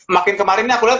makin kemarin nih aku lihat